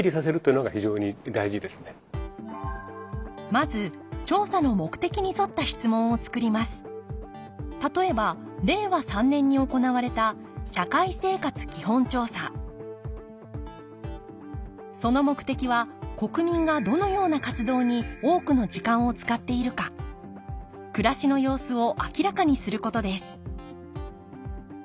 まず例えば令和３年に行われた社会生活基本調査その目的は国民がどのような活動に多くの時間を使っているか暮らしの様子を明らかにすることです